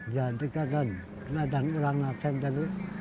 jadi keadaan orang orang itu enggak ruan